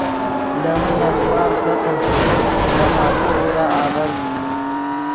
لے من نسوار ختم ݰوئے تماکو غورا آڤر